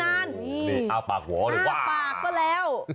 อ้าวปากหัวเลยว้า